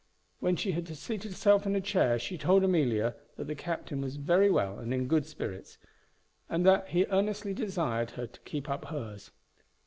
When she had seated herself in a chair she told Amelia that the captain was very well and in good spirits, and that he earnestly desired her to keep up hers.